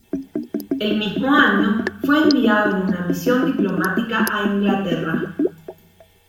El mismo año, fue enviado en una misión diplomática a Inglaterra.